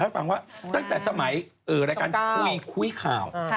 ฟังว่าตั้งแต่สมัยรายการคุยคุยข่าว